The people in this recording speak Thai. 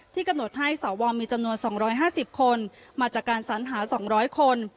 กำหนดให้สวมีจำนวน๒๕๐คนมาจากการสัญหา๒๐๐คน